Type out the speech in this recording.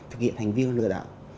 để thực hiện hành vi lừa đảo